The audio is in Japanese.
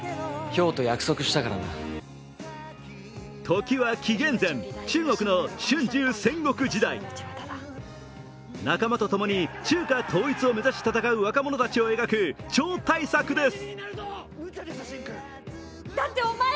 時は紀元前、中国の春秋戦国時代仲間と共に中華統一を目指し戦う若者たちを描く超大作です。